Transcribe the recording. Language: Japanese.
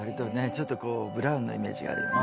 ちょっとこうブラウンなイメージがあるよね。